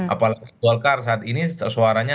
apalagi golkar saat ini suaranya enam belas